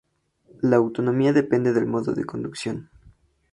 La autonomía depende del modo de conducción.